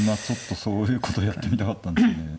ちょっとそういうことやってみたかったんですね。